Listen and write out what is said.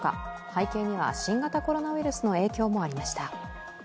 背景には新型コロナウイルスの影響もありました。